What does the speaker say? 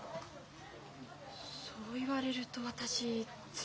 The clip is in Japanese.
そう言われると私つらい。